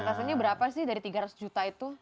pasang kasurnya berapa sih dari tiga ratus juta itu